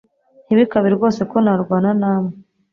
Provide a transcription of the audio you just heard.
ntibikabe rwose ko narwana namwe